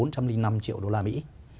bốn trăm linh năm triệu đô la mỹ